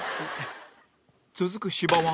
続く芝は